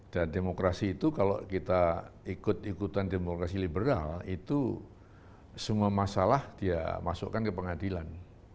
dan demokrasi itu kalau kita ikut ikutan demokrasi liberal itu semua masalah dia masukkan ke pengadilan